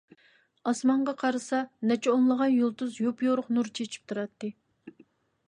ئاسمانغا قارىسا، نەچچە ئونلىغان يۇلتۇز يوپيورۇق نۇر چېچىپ تۇراتتى.